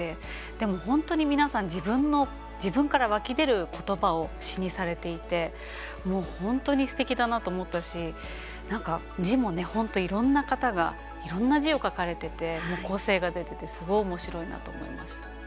でも本当に皆さん自分の自分から湧き出る言葉を詩にされていて、もう本当にすてきだなと思ったしなんか字もね、本当いろんな方がいろんな字を書かれてて個性が出ていてすごいおもしろいなと思いました。